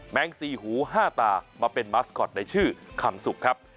งสี่หูห้าตามาเป็นมัสคอตในชื่อคำสุกครับ